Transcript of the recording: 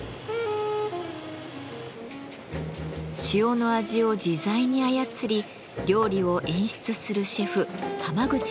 塩の味を自在に操り料理を演出するシェフ濱口昌大さん。